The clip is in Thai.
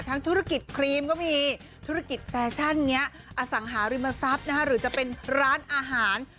ธุรกิจครีมก็มีธุรกิจแฟชั่นนี้อสังหาริมทรัพย์หรือจะเป็นร้านอาหาร